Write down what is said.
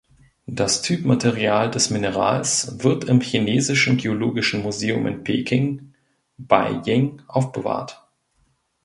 Das Typmaterial des Minerals wird im Chinesischen geologischen Museum in Peking ("Beijing") aufbewahrt.